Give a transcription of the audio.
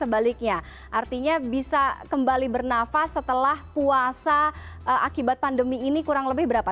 sebaliknya artinya bisa kembali bernafas setelah puasa akibat pandemi ini kurang lebih berapa